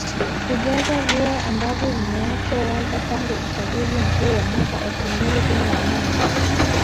Kujaza vyeo ambavyo vimeachwa wazi tangu uchaguzi mkuu wa mwaka elfu mbili kumi na nane.